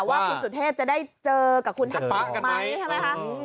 ว่าคุณสุธเทพจะได้เจอกับคุณทักษ์ป๊ากันไหมใช่ไหมครับ